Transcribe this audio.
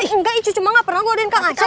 engga iya cuma ga pernah gua dengerin kang acing